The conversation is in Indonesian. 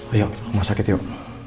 ayo rumah sakit yuk